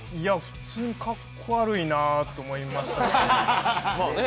普通にかっこ悪いなと思いましたね。